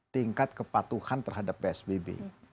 tingkat kepatuhan terhadap psbb